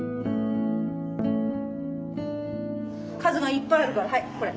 数がいっぱいあるからはいこれ。